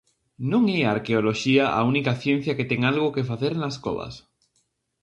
Non é a arqueoloxía a única ciencia que ten algo que facer nas covas.